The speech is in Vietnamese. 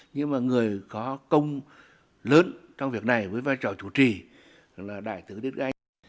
nhưng mà người có công lớn trong việc này với vai trò chủ trì là đại tướng đức anh